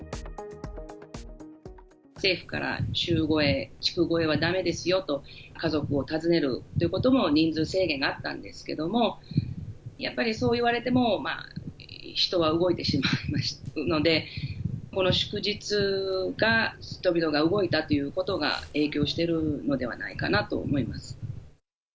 政府から州越え、地区越えはだめですよと、家族を訪ねるということも人数制限があったんですけども、やっぱりそう言われても、人は動いてしまうので、この祝日が、人々が動いたということが影響しているのではないかなと思います。